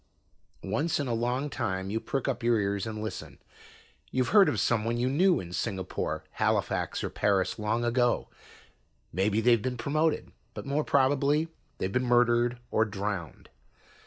Once in a long time you prick up your ears and listen. You've heard of some one you knew in Singapore, Halifax or Paris, long ago. Maybe they've been promoted, but more probably they've been murdered or drowned.